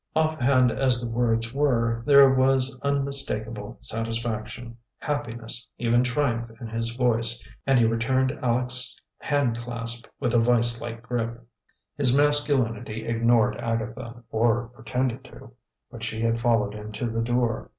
Offhand as the words were, there was unmistakable satisfaction, happiness, even triumph in his voice, and he returned Aleck's hand clasp with a vise like grip. His masculinity ignored Agatha, or pretended to; but she had followed him to the door.